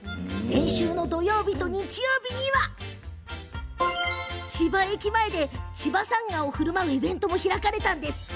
先週の土曜日と日曜日には千葉駅前で千葉さんがをふるまうイベントも開かれたんです。